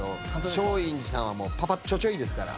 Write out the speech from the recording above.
松陰寺さんはもうパパッちょちょいですから。